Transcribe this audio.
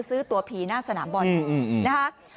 ซื้อตัวผีหน้าสนามบอลนะคะ